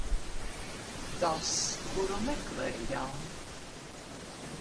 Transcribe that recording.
Tas, kuru meklējām.